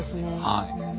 はい。